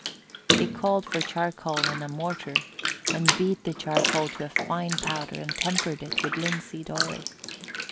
He called for charcoal and a mortar, and beat the charcoal to a fine powder and tempered it with linseed oil.